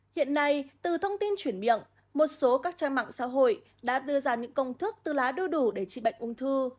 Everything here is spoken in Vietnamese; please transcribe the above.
hiện nay từ thông tin chuyển miệng một số các trang mạng xã hội đã đưa ra những công thức từ lá đu đủ để trị bệnh ung thư